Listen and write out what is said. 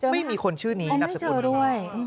ไม่มีคนชื่อนี้นับสมมุติ